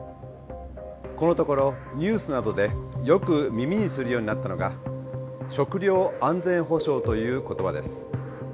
このところニュースなどでよく耳にするようになったのが食料安全保障という言葉です。